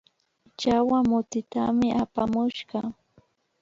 Chawa mutitami apamushka